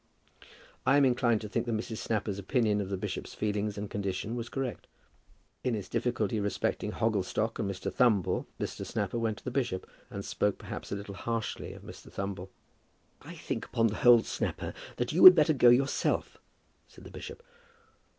I am inclined to think that Mrs. Snapper's opinion of the bishop's feelings and condition was correct. In his difficulty respecting Hogglestock and Mr. Thumble Mr. Snapper went to the bishop, and spoke perhaps a little harshly of Mr. Thumble. "I think, upon the whole, Snapper, that you had better go yourself," said the bishop.